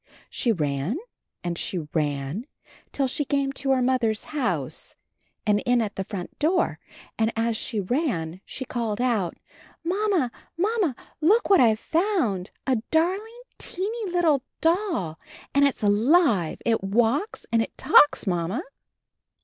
She ran and she ran till she came to her mother's house and in at the front door, and as she ran she called out, "Mamma, Mam ma! look what I've found — a darling, teeny little doll! And it's alive! It walks and it talks. Mamma."